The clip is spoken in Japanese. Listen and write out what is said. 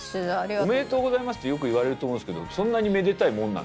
おめでとうございますってよく言われると思うんすけどそんなにめでたいもんなんですかね